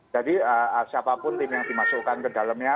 jadi siapapun tim yang dimasukkan ke dalamnya